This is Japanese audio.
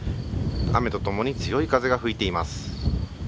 雨とともに強い風が吹いています。